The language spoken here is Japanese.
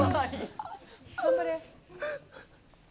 頑張れ。